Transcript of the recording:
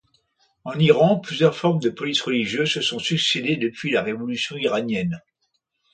En Iran, plusieurs formes de police religieuse se sont succédé depuis la Révolution iranienne.